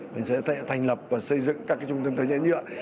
để thành lập và xây dựng các trung tâm tài chế nhựa